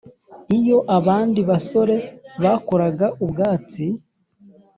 iyo abandi basore bakoraga ubwatsi